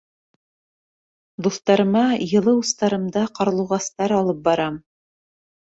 Дуҫтарыма йылы устарымда ҡарлуғастар алып барам.